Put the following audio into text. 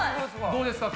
どうですか？